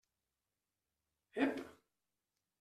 Ep!